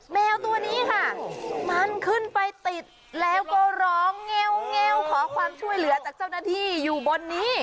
แมวตัวนี้ค่ะมันขึ้นไปติดแล้วก็ร้องแงวขอความช่วยเหลือจากเจ้าหน้าที่อยู่บนนี้